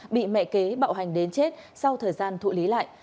bị mẹ kế bạo hành đến chết sau thời gian thụ lý lại